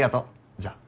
じゃあ。